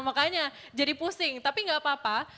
makanya jadi pusing tapi nggak apa apa